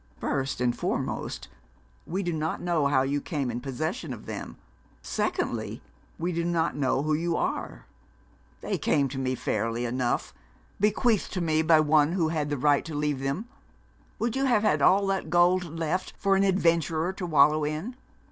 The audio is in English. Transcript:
'First and foremost, we do not know how you came in possession of them; secondly, we do not know who you are.' 'They came to me fairly enough bequeathed to me by one who had the right to leave them. Would you have had all that gold left for an adventurer to wallow in?'